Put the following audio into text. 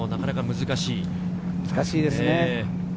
難しいですね。